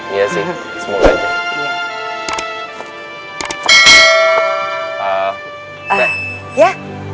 iya sih semoga aja